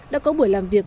đã có buổi làm việc